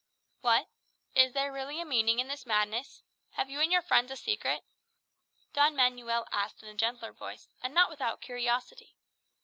"What! Is there really a meaning in this madness? Have you and your friends a secret?" Don Manuel asked in a gentler voice, and not without curiosity.